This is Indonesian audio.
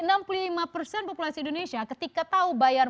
dari populasi indonesia ketika tahu bayar